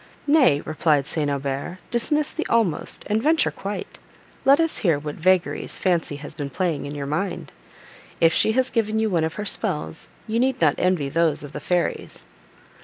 "Nay," replied St. Aubert, "dismiss the almost, and venture quite; let us hear what vagaries fancy has been playing in your mind. If she has given you one of her spells, you need not envy those of the fairies."